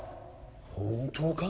本当か？